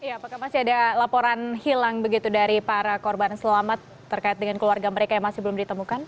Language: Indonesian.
apakah masih ada laporan hilang begitu dari para korban selamat terkait dengan keluarga mereka yang masih belum ditemukan